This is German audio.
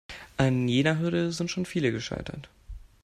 An jener Hürde sind schon viele gescheitert.